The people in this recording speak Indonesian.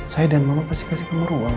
saya dan mama pasti kasih kamu ruang